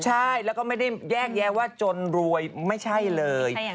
ใช่แล้วก็ไม่ได้แยกแยะว่าจนรวยไม่ใช่เลย